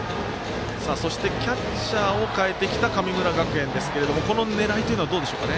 そして、キャッチャーを代えてきた神村学園ですがこの狙いというのはどうでしょうか。